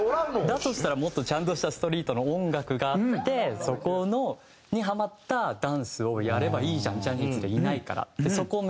だとしたらもっとちゃんとしたストリートの音楽があってそこにハマったダンスをやればいいじゃんジャニーズでいないからってそこを目指しだしたんですよ。